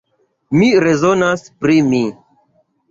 Mi rezonas pri mi.